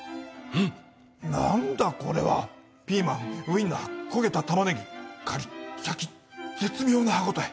なんだこれは、ピーマン、ウィンナー、焦げたたまねぎ、カリッ、シャッキって、絶妙な歯ごたえ。